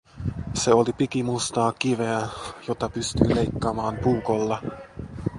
Se oli pikimustaa kiveä, jota pystyi leikkaamaan puukolla.